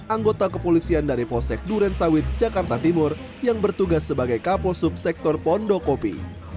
anggota kepolisian dari posek duren sawit jakarta timur yang bertugas sebagai kaposub sektor pondokopi